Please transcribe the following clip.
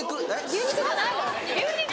牛肉じゃないの？